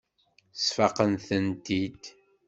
Sfaqent-tent-id.